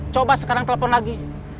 coba sekarang telepon lagi